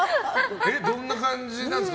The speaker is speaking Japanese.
どんな感じなんですか？